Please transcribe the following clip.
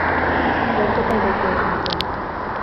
Neurketa irekia izan zen.